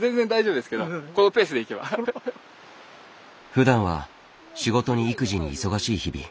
ふだんは仕事に育児に忙しい日々。